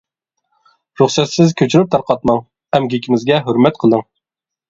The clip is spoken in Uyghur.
رۇخسەتسىز كۆچۈرۈپ تارقاتماڭ، ئەمگىكىمىزگە ھۆرمەت قىلىڭ!